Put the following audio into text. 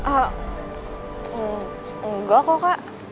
ah enggak kok kak